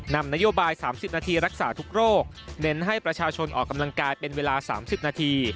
นำนโยบาย๓๐นาทีรักษาทุกโรคเน้นให้ประชาชนออกกำลังกายเป็นเวลา๓๐นาที